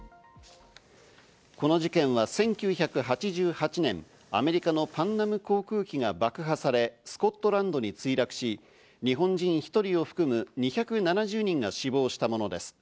この事件は１９８８年、アメリカのパンナム航空機が爆破され、スコットランドに墜落し、日本人１人を含む２７０人が死亡したものです。